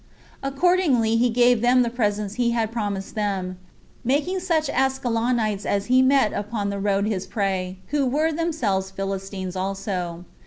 Accordingly he gave them the presents he had promised them, making such Askelonites as met him upon the road his prey, who were themselves Philistines also.